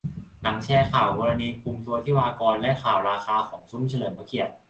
หลังแชร์ข่าวกรณีคุมตัวทิวากร และข่าวราคาของซุ้มเฉลิมพระเกียรติ